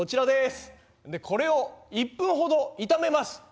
でこれを１分ほど炒めます。